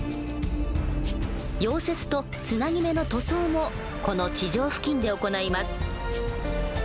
溶接とつなぎ目の塗装もこの地上付近で行います。